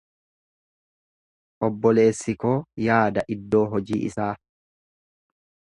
Obboleessi koo yaada iddoo hojii isaa.